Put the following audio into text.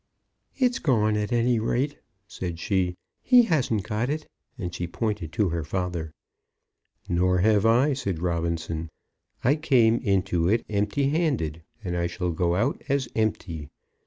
"It's gone at any rate," said she. "He hasn't got it," and she pointed to her father. "Nor have I," said Robinson. "I came into it empty handed, and I shall go out as empty.